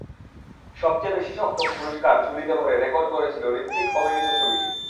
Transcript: সবচেয়ে বেশি সংখ্যক পুরস্কার ঝুলিতে ভরে রেকর্ড গড়েছিল হৃতিক অভিনীত ছবিটি।